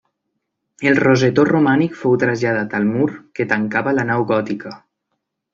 El rosetó romànic fou traslladat al mur que tancava la nau gòtica.